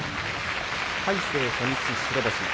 魁聖、初日白星。